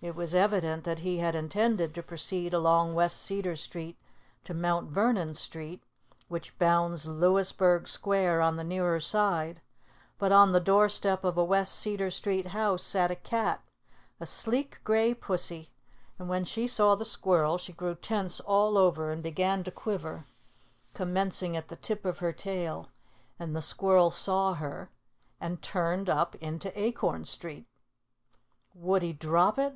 It was evident that he had intended to proceed along West Cedar Street to Mount Vernon Street, which bounds Louisburg Square on the nearer side; but on the door step of a West Cedar Street house sat a cat, a sleek gray pussy, and when she saw the squirrel, she grew tense all over and began to quiver, commencing at the tip of her tail; and the squirrel saw her and turned up into Acorn Street. Would he drop it?